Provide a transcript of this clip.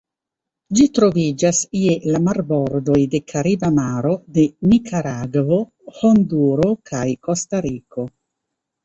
Ĝi troviĝas je la marbordoj de Kariba Maro de Nikaragvo, Honduro, kaj Kostariko.